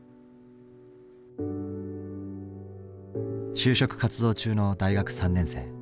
就職活動中の大学３年生。